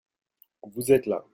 Vous êtes là.